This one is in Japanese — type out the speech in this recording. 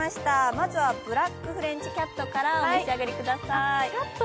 まずはブラックフレンチキャットからお召し上がりください。